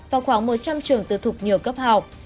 và khoảng một trăm linh trường tự thục nhiều cấp học